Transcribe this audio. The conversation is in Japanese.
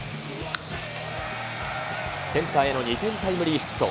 センターへの２点タイムリーヒット。